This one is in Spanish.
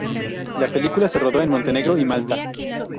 La película se rodó en Montenegro y Malta.